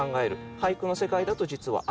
俳句の世界だと実は秋。